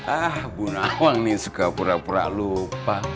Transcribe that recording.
ah bu nawang nih suka pura pura lupa